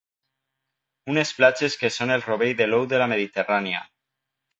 Unes platges que són el rovell de l'ou de la Mediterrània.